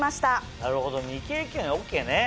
なるほど未経験ＯＫね。